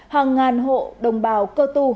các đàn hộ đồng bào cơ tu